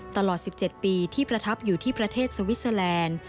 ตลอด๑๗ปีที่ประทับอยู่ที่ประเทศสวิสเตอร์แลนด์